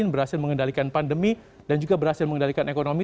berhasil mengendalikan pandemi dan juga berhasil mengendalikan ekonomi